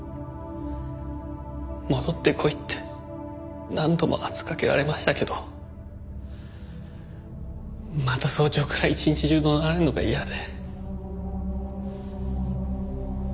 戻ってこいって何度も圧かけられましたけどまた早朝から一日中怒鳴られるのが嫌で。